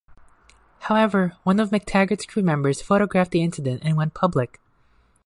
However, one of McTaggart's crew members photographed the incident and went public.